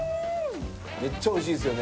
めっちゃおいしいですよね？